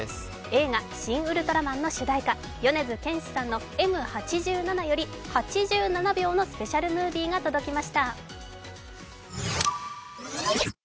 映画「シン・ウルトラマン」の主題歌、「Ｍ八七」より、８７秒のスペシャルムービーが届きました。